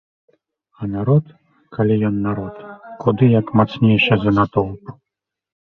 А народ, калі ён народ, куды як мацнейшы за натоўп.